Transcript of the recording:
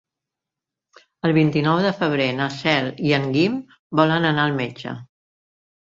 El vint-i-nou de febrer na Cel i en Guim volen anar al metge.